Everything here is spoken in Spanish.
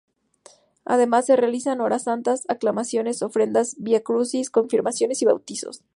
Además, se realizan horas santas, aclamaciones, ofrendas, vía crucis, confirmaciones y bautizos.